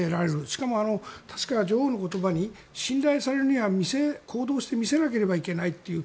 しかも確か、女王の言葉に信頼されるには行動して見せなければいけないという。